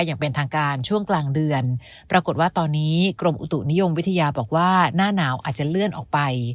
อย่างเป็นทางการช่วงกลางเดือนปรากฏว่าตอนนี้กรมอุตุนิยมวิทยาบอกว่าหน้าหนาวอาจจะเลื่อนออกไป